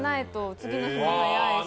次の日も早いし。